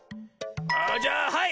あじゃあはい！